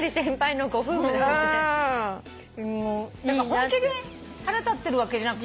本気で腹立ってるわけじゃなくて。